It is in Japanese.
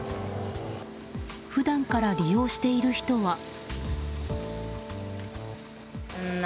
普段から利用している人は。